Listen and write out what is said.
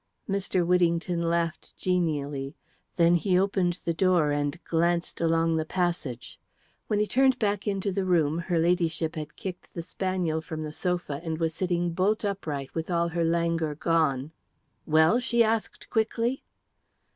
Mr. Whittington laughed genially. Then he opened the door and glanced along the passage. When he turned back into the room her Ladyship had kicked the spaniel from the sofa and was sitting bolt upright with all her languor gone. "Well?" she asked quickly.